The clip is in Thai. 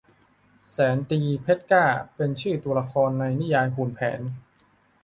แสนตรีเพชรกล้า เป็นชื่อตัวละครในนิยายขุนแผน